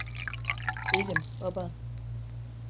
Benim, baban.